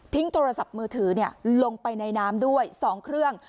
โทรศัพท์มือถือลงไปในน้ำด้วย๒เครื่อง